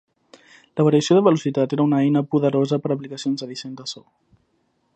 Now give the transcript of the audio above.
La variació de velocitat era una eina poderosa per a aplicacions de disseny de so.